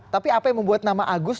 tapi apa yang membuat nama agus